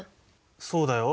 そうだよ。